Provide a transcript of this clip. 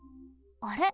あれ？